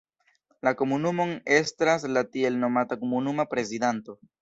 La komunumon estras la tiel nomata komunuma prezidanto.